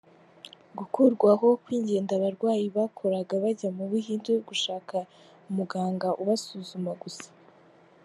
Gukurwaho kw’ingendo abarwayi bakoraga bajya mu buhinde gushaka umuganga ubasuzuma gusa.